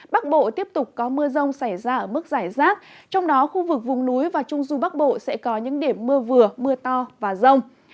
bắc bộ tiếp tục có mưa rông xảy ra ở mức giải rác trong đó khu vực vùng núi và trung du bắc bộ sẽ có những điểm mưa vừa mưa to và rông